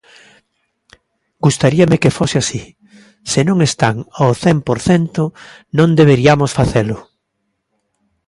Gustaríame que fose así, se non está ao cen por cento non deberiamos facelo.